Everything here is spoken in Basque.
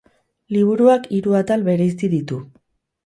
Liburuak hiru atal bereizi ditu.